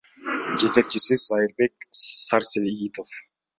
Жетекчиси — Зайырбек Сарсеитов.